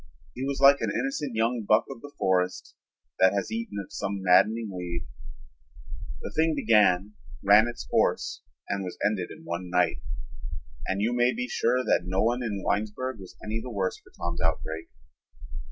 He was like an innocent young buck of the forest that has eaten of some maddening weed. The thing began, ran its course, and was ended in one night, and you may be sure that no one in Winesburg was any the worse for Tom's outbreak.